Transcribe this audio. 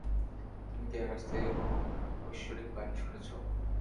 তুমি কি আকাশ থেকে কোন ঐশ্বরিক বানি শুনেছ?